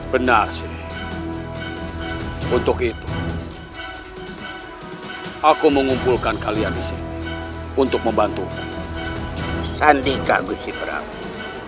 benar sih untuk itu aku mengumpulkan kalian disini untuk membantumu sandika gusi prabowo